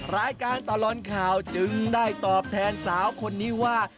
รายการตลอดข่าวจึงได้ตอบแทนสาวคนนี้ว่า